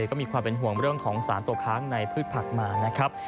ก็มีความเป็นห่วงเรื่องของสารตกค้างในพืชผักมานะครับ